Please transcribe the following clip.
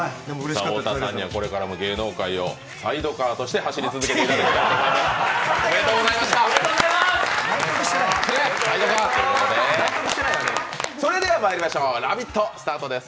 太田さんにはこれからも芸能界をサイドカーとして走り続けていただきたいと思います。